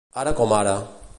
Ara com ara.